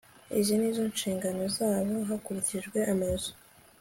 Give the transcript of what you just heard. izi ni zo nshingano zabo hakurikijwe amazu